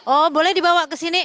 oh boleh dibawa kesini